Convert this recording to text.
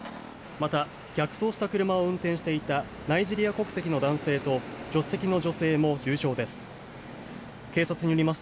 また、逆走した車を運転していたナイジェリア国籍の男性と助手席の女性も重傷です。